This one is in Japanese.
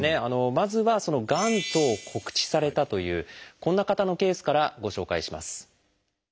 まずはがんと告知されたというこんな方のケースからご紹介します。